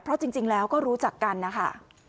เพราะจริงแล้วก็รู้จักกันนะคะ